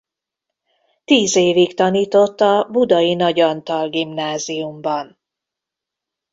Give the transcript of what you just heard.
Tíz évig tanított a Budai Nagy Antal Gimnáziumban.